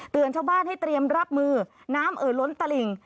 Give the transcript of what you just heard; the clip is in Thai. ชาวบ้านให้เตรียมรับมือน้ำเอ่อล้นตลิ่ง